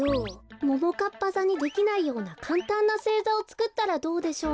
ももかっぱざにできないようなかんたんなせいざをつくったらどうでしょう？